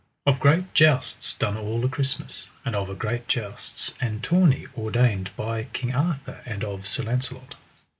Of great jousts done all a Christmas, and of a great jousts and tourney ordained by King Arthur, and of Sir Launcelot.